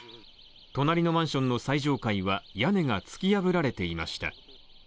隣のマンションの最上階は屋根が突き破られていました。